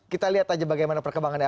kita lihat aja bagaimana perkembangannya